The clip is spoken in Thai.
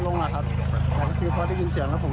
ลุงงานแรงผ่านบนเกียจแล้วครับ